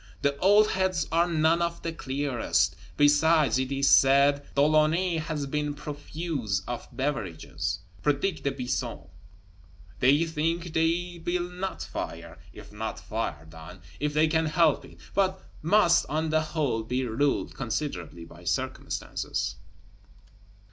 The old heads are none of the clearest; besides, it is said, De Launay has been profuse of beverages (prodigue des buissons). They think they will not fire if not fired on if they can help it; but must, on the whole, be ruled considerably by circumstances.